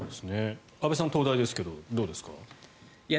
安部さん、東大ですけどどうですか？